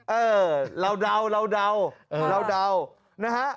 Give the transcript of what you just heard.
เออเราเดาเราเดาเราเดานะฮะ